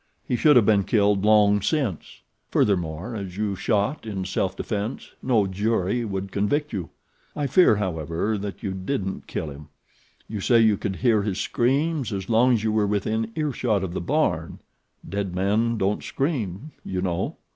He should have been killed long since. Furthermore, as you shot in self defence no jury would convict you. I fear, however, that you didn't kill him. You say you could hear his screams as long as you were within earshot of the barn dead men don't scream, you know."